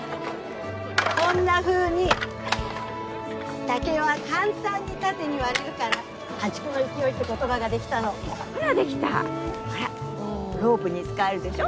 こんなふうに竹は簡単に縦に割れるから「破竹の勢い」って言葉ができたのほらできたほらロープに使えるでしょ？